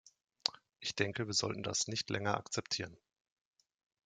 Ich denke, wir sollten das nicht länger akzeptieren.